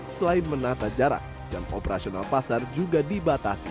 selain menata jarak jam operasional pasar juga dibatasi